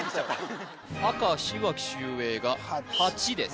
赤いわき秀英が８です